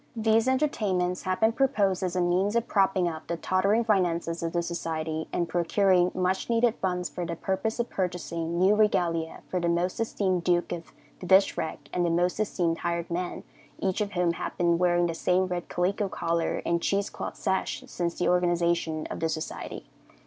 These entertainments had been proposed as a means of propping up the tottering finances of the society, and procuring much needed funds for the purpose of purchasing new regalia for the Most Esteemed Duke of the Dishrag and the Most Esteemed Hired Man, each of whom had been wearing the same red calico collar and cheese cloth sash since the organization of the society.